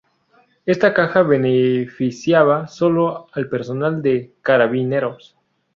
Esta caja beneficiaba sólo al personal de carabineros.